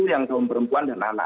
yang kaum perempuan dan anak